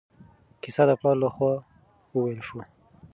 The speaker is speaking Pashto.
کیسه د پلار له خوا وویل شوه.